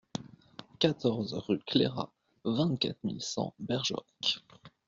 quatorze rue Clairat, vingt-quatre mille cent Bergerac